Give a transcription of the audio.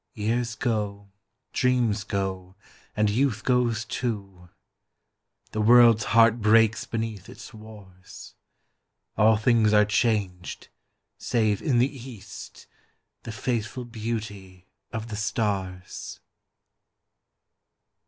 Years go, dreams go, and youth goes too, The world's heart breaks beneath its wars, All things are changed, save in the east The faithful beauty of the stars.